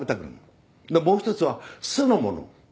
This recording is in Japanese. もう一つは酢の物。